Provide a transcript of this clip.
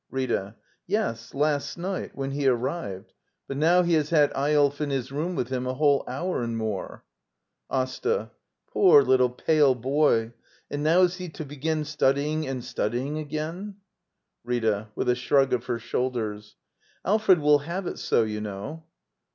Rita* Yes; last night — when he arrived* 5 Digitized by VjOOQIC LITTLE EYOLF <^ Act L But now he has had Eyolf in his room with him a whole hour and more. AsTA. Poor little pale boyl And now is he to begin studying and studying again? Rita. [With a shrug of her shoulders.] Al fred will have it so, you know.